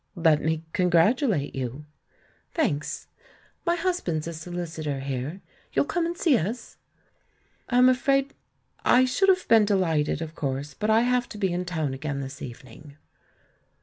"Let me congratulate you." "Thanks. 3Iy husband's a solicitor here, ... You'll come and see us?" "I'm afraid ... I should have been delighted, of course, but I have to be in town again this evening."